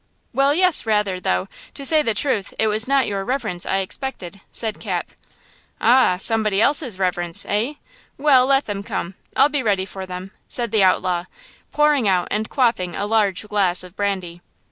"Well, yes, rather; though, to say the truth, it was not your reverence I expected," said Cap. "Ah! somebody else's reverence, eh? Well, let them come! I'll be ready for them!" said the outlaw, pouring out and quaffing a large glass of brandy.